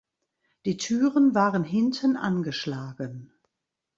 Die Türen waren hinten angeschlagen.